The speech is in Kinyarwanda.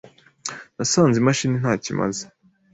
Nasanze imashini ntacyo imaze.